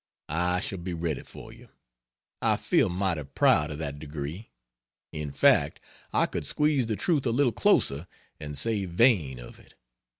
I shall be ready for you. I feel mighty proud of that degree; in fact, I could squeeze the truth a little closer and say vain of it.